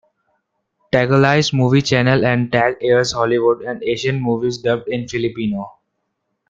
Tagalized Movie Channel and Tag airs Hollywood and Asian movies dubbed in Filipino.